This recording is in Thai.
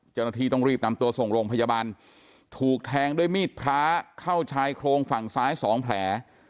เจ้าหน้าที่ต้องรีบนำตัวส่งโรงพยาบาลถูกแทงด้วยมีดพระเข้าชายโครงฝั่งซ้าย๒แผล